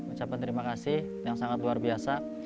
ucapan terima kasih yang sangat luar biasa